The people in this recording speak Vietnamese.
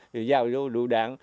rồi giao vô lựu đạn